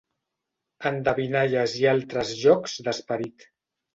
Endevinalles i altres jocs d'esperit.